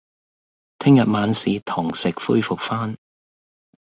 聽日晚市堂食恢復返